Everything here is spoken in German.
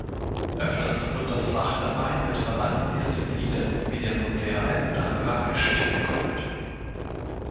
Öfters wird das Fach dabei mit verwandten Disziplinen wie der Sozial- oder Agrargeschichte gekoppelt.